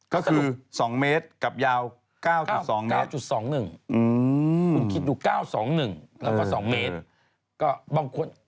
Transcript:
ก็คือ๒เมตรกับยาว๙๒เมตร